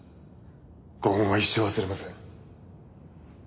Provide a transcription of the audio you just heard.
ご恩は一生忘れません。